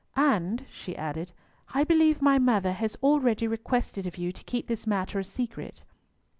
"And," she added, "I believe my mother has already requested of you to keep this matter a secret."